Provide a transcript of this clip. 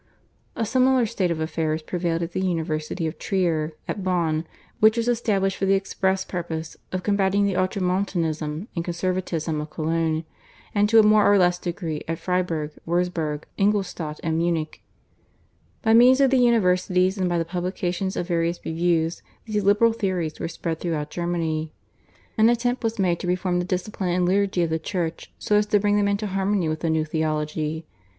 A similar state of affairs prevailed at the University of Trier, at Bonn which was established for the express purpose of combatting the ultramontanism and conservatism of Cologne, and to a more or less degree at Freiburg, Wurzburg, Ingolstadt, and Munich. By means of the universities and by the publication of various reviews these liberal theories were spread throughout Germany. An attempt was made to reform the discipline and liturgy of the Church so as to bring them into harmony with the new theology.